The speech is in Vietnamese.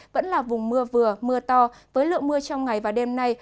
vẫn là vùng mưa vừa mưa to với lượng mưa trong ngày và đêm nay